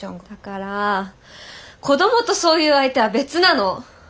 だから子どもとそういう相手は別なの！